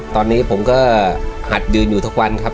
ตอนนี้ผมก็หัดยืนอยู่ทุกวันครับ